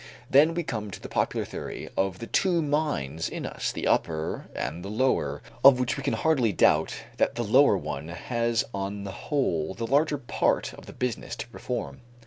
Then we come to the popular theory of the two minds in us, the upper and the lower, of which we can hardly doubt that the lower one has on the whole the larger part of the business to perform.